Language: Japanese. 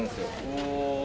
おお！